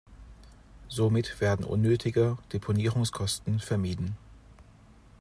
Somit werden unnötige Deponierungskosten vermieden.